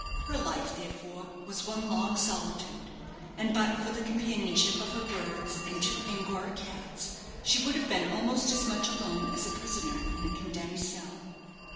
Her life, therefore, was one long solitude, and but for the companionship of her birds and two Angora cats, she would have been almost as much alone as a prisoner in a condemned cell.